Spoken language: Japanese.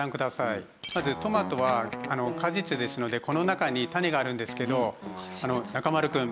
まずトマトは果実ですのでこの中に種があるんですけど中丸くん。